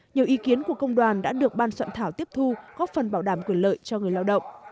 nhiều ý kiến của công đoàn đã được ban soạn thảo tiếp thu góp phần bảo đảm quyền lợi cho người lao động